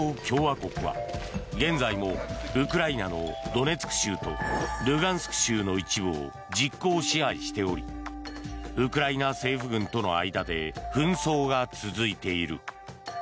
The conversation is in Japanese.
共和国は現在もウクライナのドネツク州とルガンスク州の一部を実効支配しておりウクライナ政府軍との間で紛争が続いている。